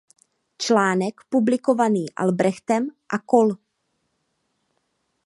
Článek publikovaný Albrechtem a kol.